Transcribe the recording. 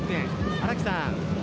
荒木さん。